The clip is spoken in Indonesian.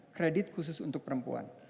kredit khusus untuk perempuan